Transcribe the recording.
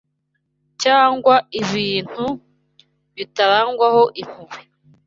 cyangwa ibintu bitarangwaho impuhwe